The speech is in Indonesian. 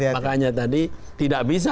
makanya tadi tidak bisa